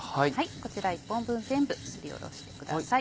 こちら１本分全部すりおろしてください。